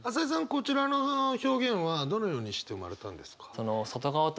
こちらの表現はどのようにして生まれたんですか？